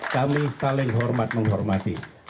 kami saling hormat menghormati